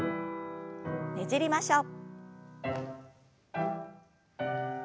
ねじりましょう。